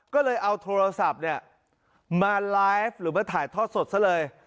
ก็เลยเอาโทรศัพท์เนี่ยมาไลฟ์หรือมาถ่ายทอดสดซะเลย